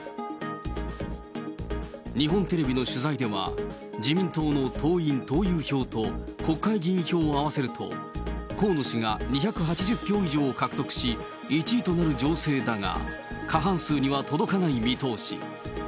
日本テレビの取材では、自民党の党員・党友票と国会議員票を合わせると、河野氏が２８０票以上を獲得し、１位となる情勢だが、過半数には届かない見通し。